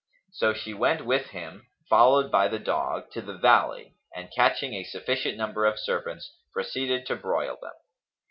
So she went with him, followed by the dog, to the valley and, catching a sufficient number of serpents, proceeded to broil them.